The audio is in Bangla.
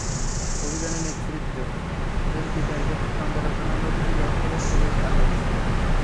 অভিযানের নেতৃত্ব দেন তিতাস গ্যাসের চন্দ্রা জোনাল অফিসের ব্যবস্থাপক সুরুজ আলম।